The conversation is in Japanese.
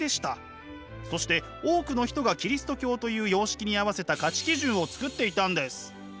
そして多くの人がキリスト教という様式に合わせた価値基準を作っていたんです。